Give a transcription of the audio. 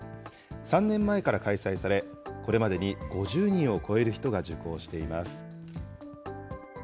３年前から開催され、これまでに５０人を超える人が受講しています。